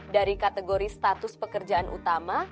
dari kategori status pekerjaan utama